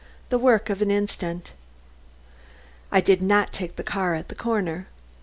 XXV THE WORK OF AN INSTANT I did not take the car at the corner.